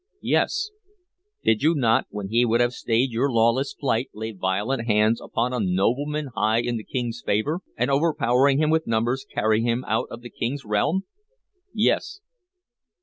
"Yes." "Did you not, when he would have stayed your lawless flight, lay violent hands upon a nobleman high in the King's favor, and, overpowering him with numbers, carry him out of the King's realm?" "Yes."